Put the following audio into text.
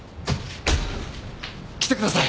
来てください。